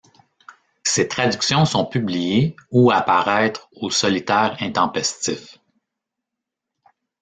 Ces traductions sont publiées ou à paraître aux Solitaires Intempestifs.